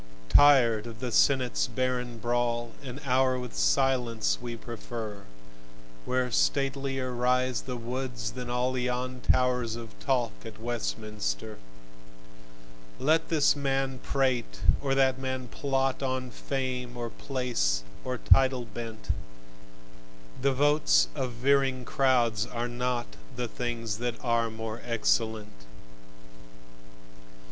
Tired of the Senate's barren brawl, An hour with silence we prefer, Where statelier rise the woods than all Yon towers of talk at Westminster. Let this man prate and that man plot, On fame or place or title bent: The votes of veering crowds are not The things that are more excellent.